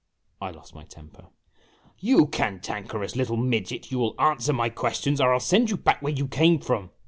I lost my temper. "You cantankerous little midget, you will answer my questions or I '11 send you back where you came from